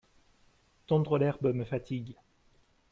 Tondre l'herbe me fatigue.